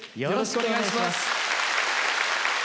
よろしくお願いします。